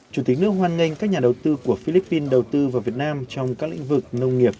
chủ tịch nước hoan nghênh các nhà đầu tư của philippines đầu tư vào việt nam trong các lĩnh vực nông nghiệp